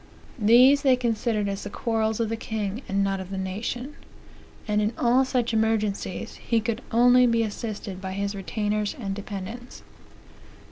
These they considered as the quarrels of the king, and not of the nation; and in all such emergencies he could only be assisted by his retainers and dependents."